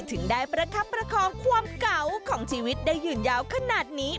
ถึงได้ประคับประคองความเก่าของชีวิตได้ยืนยาวขนาดนี้